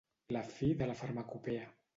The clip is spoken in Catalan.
La fi de la farmacopea.